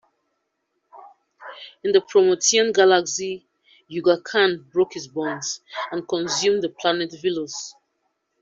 In The Promethean Galaxy Yuga Khan broke his bonds, and consumed the planet Velos.